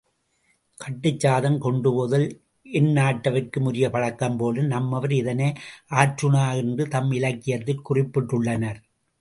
கட்டுச் சாதம் கொண்டுபோதல் எந்நாட்டவர்க்கும் உரிய பழக்கம் போலும் நம்மவர் இதனை ஆற்றுணா என்று தம் இலக்கியத்தில் குறிப்பிட்டுள்ளனர்.